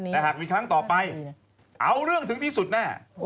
แต่หากมีครั้งต่อไปเอาเรื่องถึงที่สุดแน่